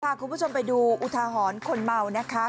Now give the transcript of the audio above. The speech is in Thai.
พาคุณผู้ชมไปดูอุทาหรณ์คนเมานะคะ